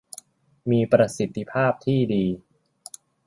มีประสิทธิภาพที่ดี